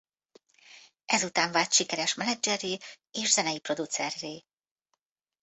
Ezután vált sikeres menedzserré és zenei producerré.